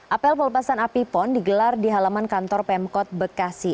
apel pelepasan api pon digelar di halaman kantor pemkot bekasi